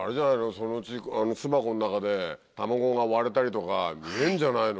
そのうち巣箱の中で卵が生まれたりとか見れんじゃないの？